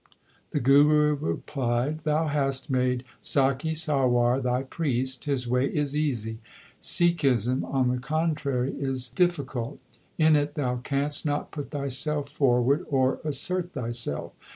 The Guru replied : Thou hast made Sakhi Sarwar thy priest. His way is easy : Sikhism on the contrary is difficult. In it thou canst not put thyself forward or assert thyself.